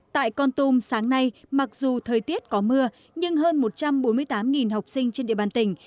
tại con tum sáng nay mặc dù thời tiết có mưa nhưng hơn một trăm bốn mươi tám học sinh trên địa bàn tỉnh